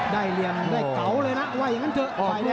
ได้เลี้ยงได้เก๋าเลยนะว่าอย่างนั้นเถอะไข่แดง